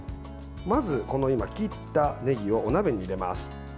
まず切ったねぎをお鍋に入れます。